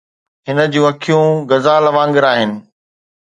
هن جون اکيون غزال وانگر آهن